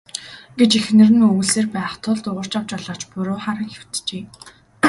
гэж эхнэр нь үглэсээр байх тул Дугаржав жолооч буруу харан хэвтжээ.